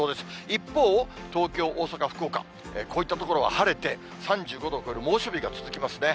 一方、東京、大阪、福岡、こういった所は晴れて、３５度を超える猛暑日が続きますね。